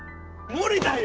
無理だよ！